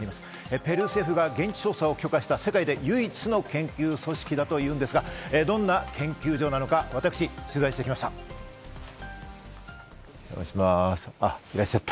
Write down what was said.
ペルー政府が現地調査を許可した、世界で唯一の研究組織だというんですが、どんな研究所なのか、私、取材してきました。